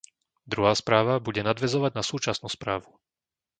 Druhá správa bude nadväzovať na súčasnú správu.